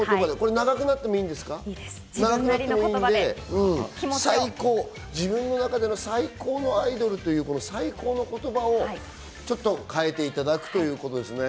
長くなってもいいので、自分の中での最高のアイドルっていうこの「最高」の言葉をちょっと変えていただくということですね。